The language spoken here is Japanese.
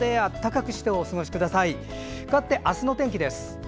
かわって、明日の天気です。